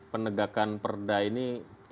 pendegakan perda ini